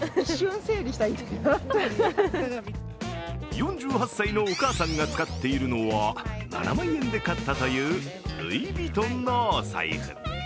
４８歳のお母さんが使っているのは７万円で買ったというルイ・ヴィトンのお財布。